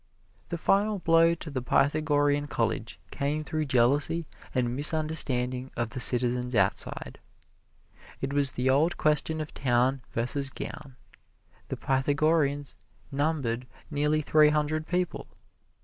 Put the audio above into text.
The final blow to the Pythagorean College came through jealousy and misunderstanding of the citizens outside. It was the old question of Town versus Gown. The Pythagoreans numbered nearly three hundred people.